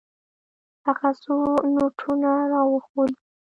هغه څو نوټونه راوښودل.